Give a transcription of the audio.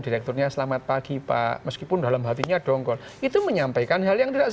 direkturnya selamat pagi pak meskipun dalam hatinya dongkol itu menyampaikan hal yang tidak